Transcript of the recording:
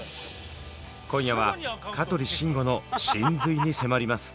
今夜は香取慎吾の神髄に迫ります。